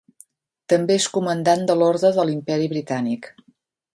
També és Comandant de l'Orde de l'Imperi Britànic.